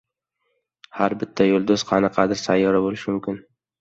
Har bitta yulduz qanaqadir sayyora boʻlishi mumkin.